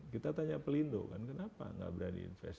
kita tanya pelindung kenapa nggak berani invest